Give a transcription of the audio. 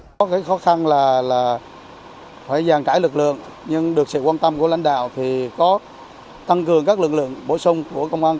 có cái khó khăn là phải giàn trải lực lượng nhưng được sự quan tâm của lãnh đạo thì có tăng cường các lực lượng bổ sung của công an